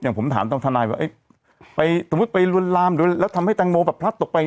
อย่างผมถามตัวนายอะยิงจะล่วนลามแล้วทำให้ทางโมบับพลั๊ดตกไป